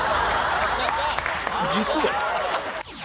実は